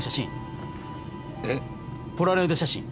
ポラロイド写真。